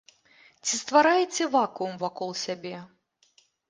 Ці ствараеце вакуум вакол сябе?